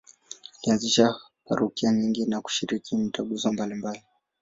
Alianzisha parokia nyingi na kushiriki mitaguso mbalimbali.